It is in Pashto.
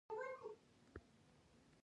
موږ پښتانه خر په ونه خېزوو.